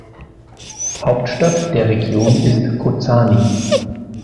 Hauptstadt der Region ist Kozani.